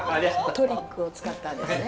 トリックを使ったんですね。